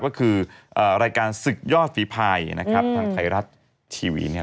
ก็คือรายการศึกยอดฝีภายนะครับทางไทยรัฐทีวีเนี่ย